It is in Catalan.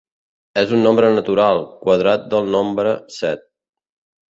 És un nombre natural, quadrat del nombre set.